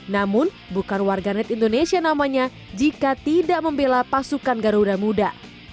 namun bukan warganet indonesia namanya jika tidak membela pasukan garuda muda